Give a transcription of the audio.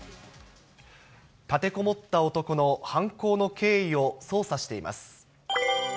立てこもった男の犯行の経緯を捜査しています。